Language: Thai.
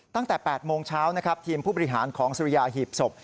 ตั้งแต่๘โมงเช้านะครับทีมผู้บริหารของสุริยาหีบศพ